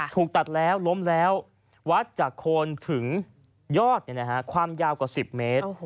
ถูกตัดแล้วล้มแล้ววัดจากโคนถึงยอดความยาวกว่า๑๐เมตร